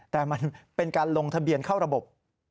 แต่มันเป็นการลงทะเบียนเข้าระบบ